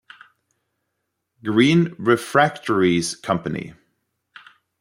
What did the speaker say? Green Refractories Company.